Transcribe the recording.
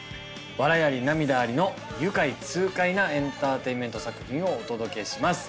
笑いあり涙ありの愉快痛快なエンターテインメント作品をお届けします。